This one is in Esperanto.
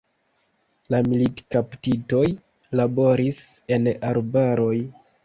La militkaptitoj laboris en arbaroj.